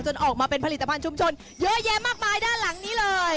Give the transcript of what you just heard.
ออกมาเป็นผลิตภัณฑุมชนเยอะแยะมากมายด้านหลังนี้เลย